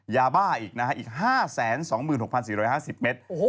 ยาบ้าอีกนะฮะอีก๕๒๖๔๕๐เมตร